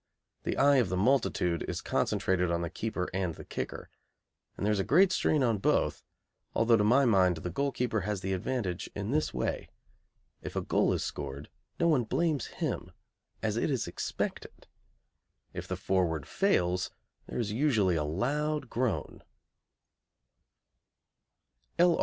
The eye of the multitude is concentrated on the keeper and the kicker, and there is a great strain on both, although to my mind the goalkeeper has the advantage in this way. If a goal is scored no one blames him, as it is expected. If the forward fails there is usually a loud groan.